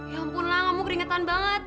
ya ampun lah kamu keringetan banget